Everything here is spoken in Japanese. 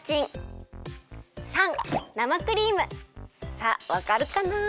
さあわかるかな？